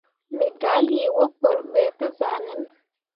Me gah lii wapǝǝre ɓe te zah nen.